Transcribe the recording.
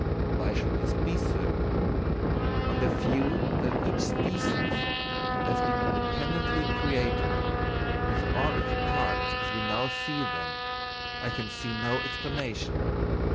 Why should this be so? On the view that each species has been independently created, with all its parts as we now see them, I can see no explanation.